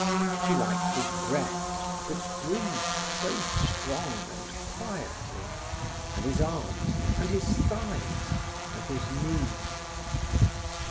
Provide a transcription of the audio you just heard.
She liked his breast, that breathed so strong and quietly, and his arms, and his thighs, and his knees.